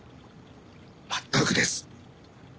まったくです。